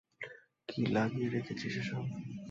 কী লাগিয়ে রেখেছিস এসব?